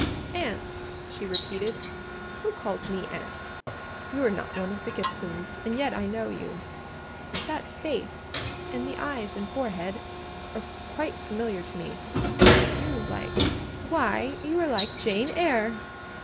"Aunt," she repeated. "Who calls me aunt? You are not one of the Gibsons; and yet I know you—that face, and the eyes and forehead, are quiet familiar to me: you are like—why, you are like Jane Eyre!"